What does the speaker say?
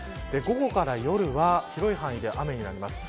午後から夜は広い範囲で雨になります。